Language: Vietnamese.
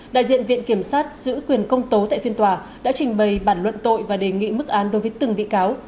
đại diện viện kiểm sát giữ quyền công tố tại phiên tòa đã trình bày bản luận tội và đề nghị mức án đối với từng bị cáo